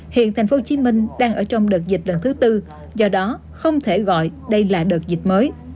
hiện tp hcm đang ở trong đợt dịch lần thứ tư do đó không thể gọi đây là đợt dịch mới